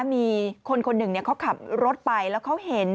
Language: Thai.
มีคนคนหนึ่งเขาขับรถไปแล้วเขาเห็น